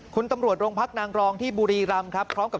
คุณตำรวจโรงพักนางรองที่บุรีรำครับพร้อมกับ